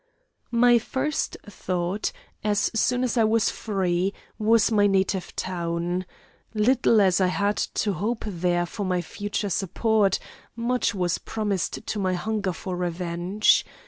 "My first thought, as soon as I was free, was my native town. Little as I had to hope there for my future support, much was promised to my hunger for revenge.